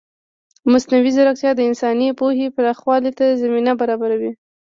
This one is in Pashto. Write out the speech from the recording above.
مصنوعي ځیرکتیا د انساني پوهې پراخولو ته زمینه برابروي.